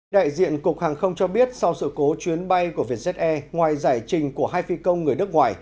đại diện cục hàng không cho biết sau sự cố chuyến bay của vietjet air ngoài giải trình của hai phi công người nước ngoài